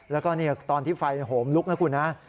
แล้วก็ตอนที่ไฟโหมลุกนะคุณนะ